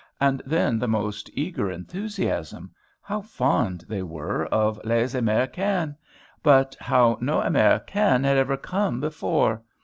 And then the most eager enthusiasm; how fond they all were of les Americaines, but how no Americaines had ever come before!